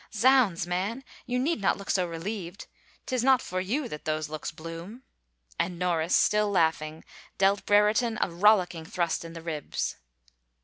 Zounds, man, you need not look so relieved — 'tis not for you that those looks bloom !" and Norris, still laughing, dealt Brereton a rollicking thrust in the ribs.